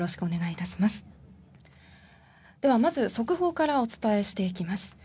お願いします。